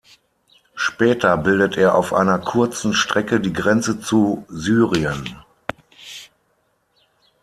Später bildet er auf einer kurzen Strecke die Grenze zu Syrien.